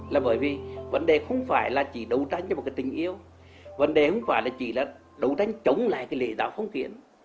là bởi vì vấn đề không phải là chỉ đấu tranh cho một cái tình yêu vấn đề không phải là chỉ là đấu tranh chống lại cái lễ giáo phong kiến